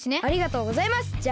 ありがとうございます！